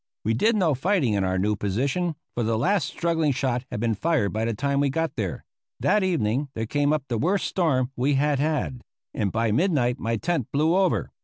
We did no fighting in our new position, for the last straggling shot had been fired by the time we got there. That evening there came up the worst storm we had had, and by midnight my tent blew over.